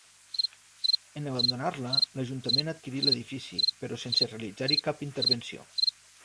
En abandonar-la, l'Ajuntament adquirí l'edifici, però sense realitzar-hi cap intervenció.